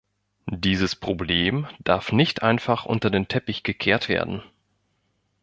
Dieses Problem darf nicht einfach unter den Teppich gekehrt werden.